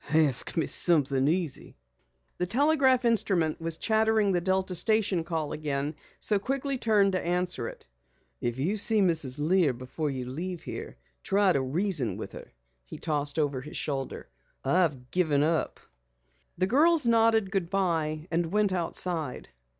"Ask me something easy." The telegraph instrument was chattering the Delta station call again so Quigley turned to answer it. "If you see Mrs. Lear before you leave here, try to reason with her," he tossed over his shoulder. "I've given up." The girls nodded goodbye and went outside.